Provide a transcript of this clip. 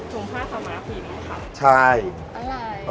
ถุงภาคะไม้ภรีนี้ค่ะ